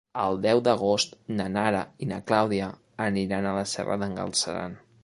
El deu d'agost na Nara i na Clàudia aniran a la Serra d'en Galceran.